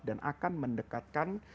dan akan mendekatkan